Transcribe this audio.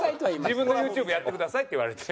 「自分のＹｏｕＴｕｂｅやってください」って言われて。